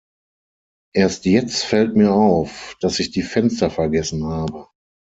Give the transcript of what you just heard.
Erst jetzt fällt mir auf, dass ich die Fenster vergessen habe.